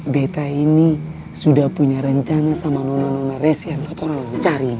beta ini sudah punya rencana sama nona nona resia yang potong lancarin